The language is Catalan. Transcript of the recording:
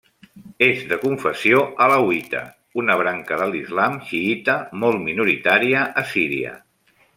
És de confessió alauita, una branca de l'islam xiïta molt minoritària a Síria.